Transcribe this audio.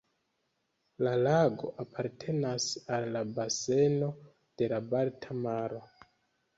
La lago apartenas al la baseno de la Balta Maro.